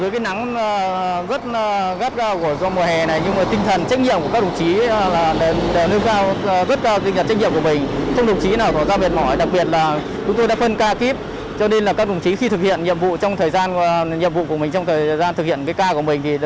nhiệm vụ của mình trong thời gian thực hiện cái ca của mình thì các đồng chí đều nêu cao tinh thần trách nhiệm của mình